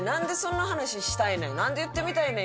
「なんで言ってみたいねん」